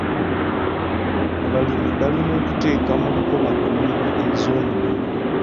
Abalimi balina okuteeka mu nkola ennima ez'omulembe.